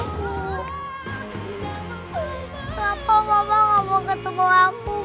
kenapa mama gak mau ketemu aku ma